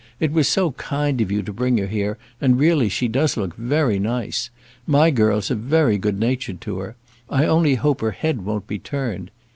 It was so kind of you to bring her here, and really she does look very nice. My girls are very good natured to her. I only hope her head won't be turned.